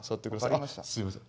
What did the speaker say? あっすいません